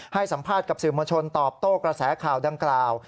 ให้สัมภาษณ์กับสื่อมวลชนตอบโต้กระแสข่าวดังกล่าว